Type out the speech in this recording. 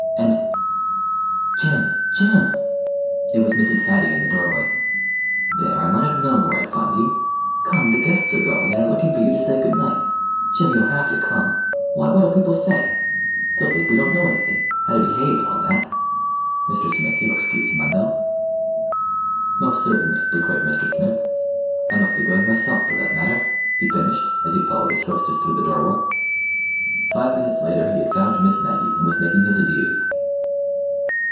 And—" "Jim, jim!" It was Mrs. Hattie in the doorway. "There, I might have known where I'd find you. Come, the guests are going, and are looking for you to say good night. Jim, you'll have to come! Why, what'll people say? They'll think we don't know anything—how to behave, and all that. Mr. Smith, you'll excuse him, I know." "Most certainly," declared Mr. Smith. "I must be going myself, for that matter," he finished, as he followed his hostess through the doorway. Five minutes later he had found Miss Maggie, and was making his adieus.